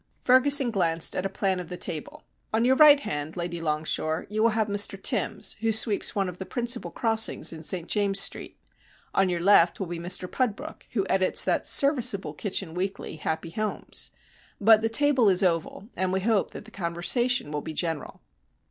Ferguson glanced at a plan of the table. "On your right hand, Lady Longshore, you will have Mr Timbs, who sweeps one of the principal crossings in St James's Street, on your left will be Mr Pudbrook, who edits that serviceable kitchen weekly, Happy Homes. But the table is oval, and we hope that the conversation will be general."